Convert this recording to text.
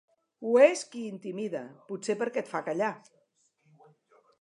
Ho és qui intimida, potser perquè et fa callar.